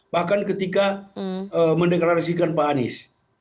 bahkan ketika mendeklarasikan pak anies